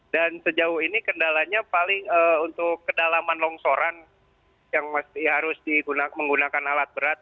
dan sejauh ini kendalanya paling untuk kedalaman longsoran yang harus menggunakan alat berat